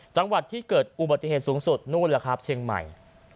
จังหวัดที่เกิดอุบัติเหตุสูงสุดนู่นล่ะครับเชียงใหม่